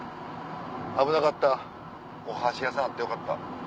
危なかったお箸屋さんあってよかった。